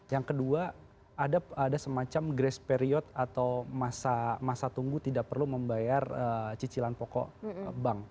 yang kedua ada semacam grace period atau masa tunggu tidak perlu membayar cicilan pokok bank